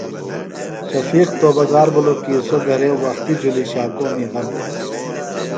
شفیق توبہ گار بِھلوۡ کی سوۡ گھرے وختیۡ جُھلیۡ شاکومی غم تھی۔